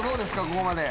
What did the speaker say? ここまで。